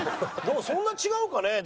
でもそんな違うかね？